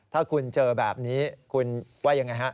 ถ้าคุณเจอแบบนี้คุณว่ายังไงฮะ